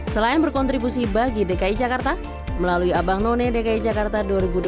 selain berkontribusi bagi dki jakarta melalui abang none dki jakarta dua ribu dua puluh